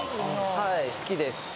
はい好きです。